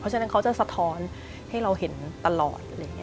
เพราะฉะนั้นเขาจะสะท้อนให้เราเห็นตลอดอะไรอย่างนี้